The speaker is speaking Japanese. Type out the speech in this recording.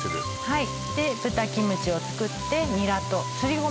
はい